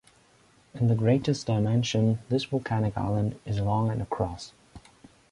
In the greatest dimension, this volcanic island is long and across.